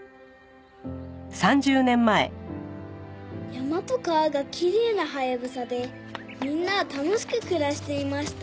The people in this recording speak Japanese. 「山と川がきれいなハヤブサでみんなは楽しく暮らしていました」